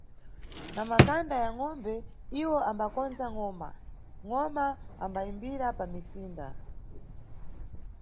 Na makanda ya ngʼombe, iwo ambakondza ngʼoma, ngʼoma ambayimbira pa misinda.